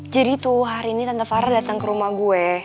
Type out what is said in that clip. tuh hari ini tante farah datang ke rumah gue